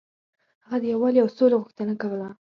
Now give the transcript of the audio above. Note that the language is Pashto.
هغه د یووالي او سولې غوښتنه کوله.